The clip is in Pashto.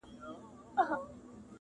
ستا و ما لره بیا دار دی،